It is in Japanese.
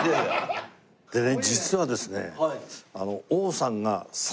でね実はですね。